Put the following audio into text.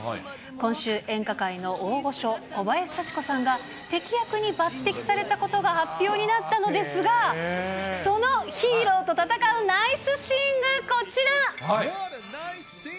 今週、演歌界の大御所、小林幸子さんが敵役に抜てきされたことが発表になったのですが、そのヒーローと戦うナイスシーンがこちら。